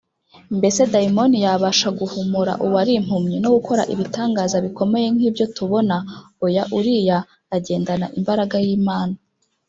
Mbese dayimoni yabasha guhumura uwari impumyi no gukora ibitangaza bikomeye nkibyo tubona oya uriya agendana imbaraga y’Imana.